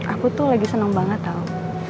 aku tuh lagi seneng banget tau